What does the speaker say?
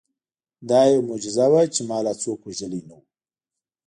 دا یوه معجزه وه چې ما لا څوک وژلي نه وو